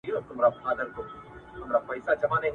خوږېدی به یې له درده هر یو غړی !.